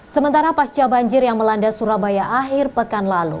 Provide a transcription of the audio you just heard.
sementara pasca banjir yang melanda surabaya akhir pekan lalu